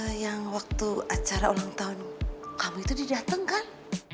eh yang waktu acara ulang tahun kamu itu didateng kan